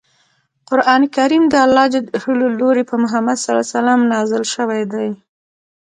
قران کریم دالله ج له لوری په محمد ص نازل شوی دی.